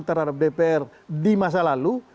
terhadap dpr di masa lalu